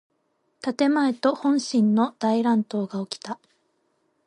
建前と本心の大乱闘がおきた。